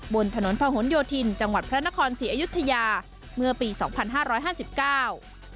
บนถนนพะหนโยธินจังหวัดพระนครศรีอยุธยาเมื่อปีสองพันห้าร้อยห้าสิบเก้า